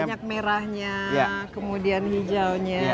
banyak merahnya kemudian hijaunya